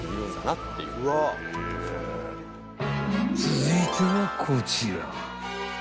［続いてはこちら］